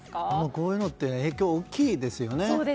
こういうのって影響が大きいですよね。